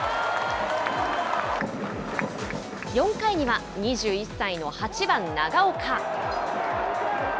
４回には２１歳の８番長岡。